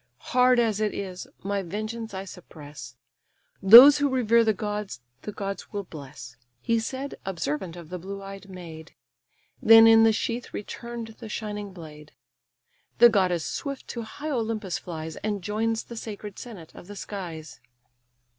Hard as it is, my vengeance I suppress: Those who revere the gods the gods will bless." He said, observant of the blue eyed maid; Then in the sheath return'd the shining blade. The goddess swift to high Olympus flies, And joins the sacred senate of the skies.